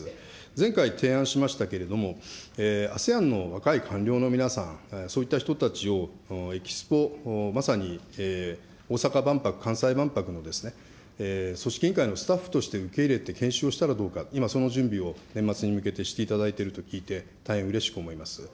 前回、提案しましたけれども、ＡＳＥＡＮの若い官僚の皆さん、そういった人たちをエキスポ、まさに大阪万博、関西万博の組織委員会のスタッフとして受け入れて研修をしたらどうか、今その準備を年末に向けてしていただいていると聞いて、大変うれしく思います。